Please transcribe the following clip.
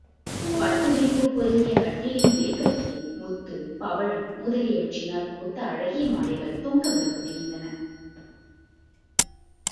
பட்டு விரிப்புப் பொருந்திய கட்டிலின் மேற்கட்டியில் முத்து, பவழம் முதலியவற்றினால் கோத்த அழகிய மாலைகள் தொங்கவிடப்பட்டிருந்தன.